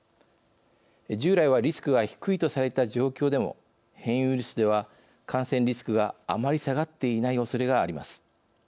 従来はリスクが低いとされた状況でも変異ウイルスでは感染リスクがあまり下がっていないおそれがあります。